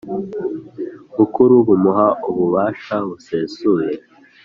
ukuru bumuha ububasha busesuye